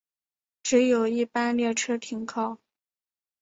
只有一般列车停靠。